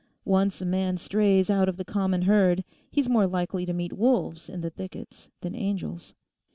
Once a man strays out of the common herd, he's more likely to meet wolves in the thickets than angels.